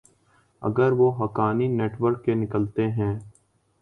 اگر وہ Haqqani network کے نکلتے ہیں۔